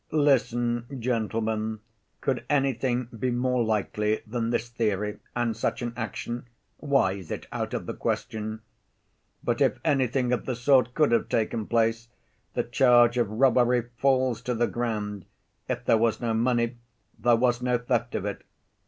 "Listen, gentlemen, could anything be more likely than this theory and such an action? Why is it out of the question? But if anything of the sort could have taken place, the charge of robbery falls to the ground; if there was no money, there was no theft of it.